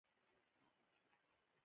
سوالګر له اړتیا سره سوال ته مجبوریږي